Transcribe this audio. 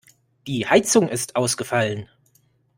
Die Heizung ist ausgefallen.